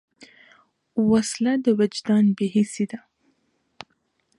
وسله د وجدان بېحسي ده